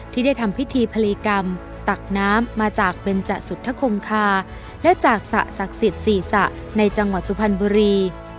ที่ได้ทำพิธีพลีกรรมตักน้ำมาจากเบรจสุทธคมคาและจากศสักศิษย์ศรีษะในจังหวัดสุพรรณบุรี